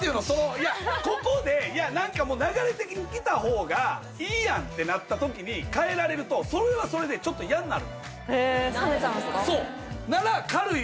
いやここで何かもう流れ的に来た方がいいやんってなった時に帰られるとそれはそれでちょっと嫌になるのへえ冷めちゃうんですか？